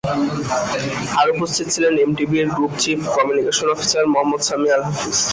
আরও উপস্থিত ছিলেন এমটিবির group chief communication officer Mohammad Sami Al হাফিজ।